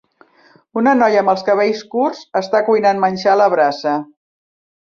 Una noia amb els cabells curts està cuinant menjar a la brasa.